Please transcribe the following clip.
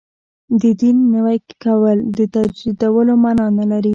د دین نوی کول د تجدیدولو معنا نه لري.